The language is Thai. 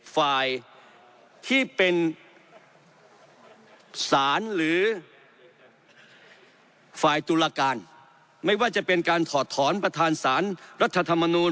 ฝ่ายที่เป็นสารหรือฝ่ายตุลาการไม่ว่าจะเป็นการถอดถอนประธานสารรัฐธรรมนูล